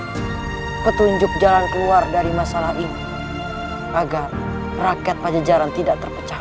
petunjuk ya allah petunjuk jalan keluar dari masalah ini agar rakyat pada jalan tidak terpecah